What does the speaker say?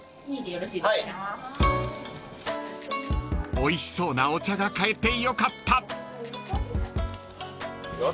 ［おいしそうなお茶が買えてよかった］